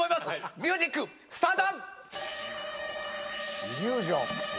ミュージック、スタート。